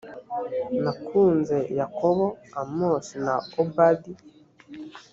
nakunze yakobo amosi na obad